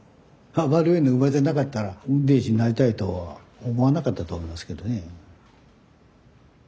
余部に生まれてなかったら運転士になりたいとは思わなかったと思いますけどね。